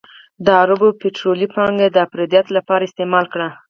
د عربو پطرولي پانګه یې د افراطیت لپاره استعمال کړه.